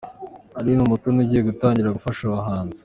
Aline Umutoni ugiye gutangira gufasha abahanzi.